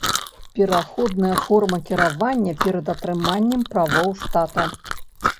Пераходная форма кіравання перад атрыманнем правоў штата.